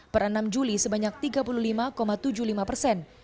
per enam juli sebanyak tiga puluh lima tujuh puluh lima persen